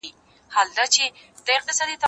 ته ولي مرسته کوې،